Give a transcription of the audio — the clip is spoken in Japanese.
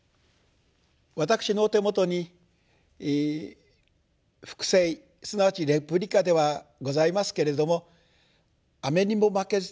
私の手元に複製すなわちレプリカではございますけれども「雨ニモマケズ」